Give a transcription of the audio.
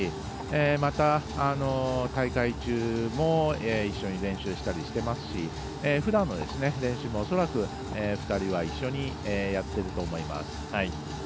また、大会中も一緒に練習したりしてますしふだんの練習も２人は恐らく一緒にやっていると思います。